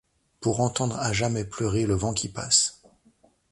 Pour entendre à jamais pleurer le vent qui passe